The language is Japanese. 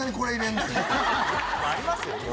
ありますよね。